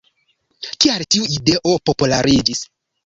Kial tiu ideo populariĝis?